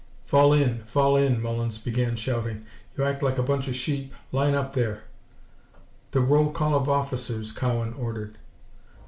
"Fall in! Fall in!" Mullins began shouting. "You act like a bunch of sheep! Line up there!" "Call the roll of officers," Cowan ordered.